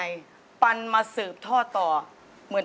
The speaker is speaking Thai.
อยากจะได้แอบอิ่ง